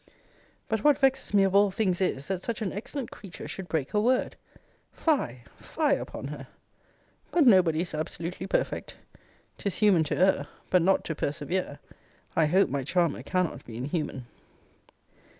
But what vexes me of all things is, that such an excellent creature should break her word: Fie, fie, upon her! But nobody is absolutely perfect! 'Tis human to err, but not to persevere I hope my charmer cannot be inhuman!